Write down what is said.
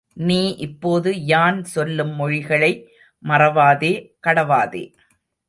நீ இப்போது யான் சொல்லும் மொழிகளை மறவாதே, கடவாதே.